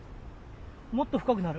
もっと深くなる。